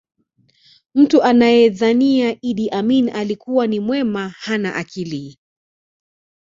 mtu anayedhania idi amin alikuwa ni mwema hana akili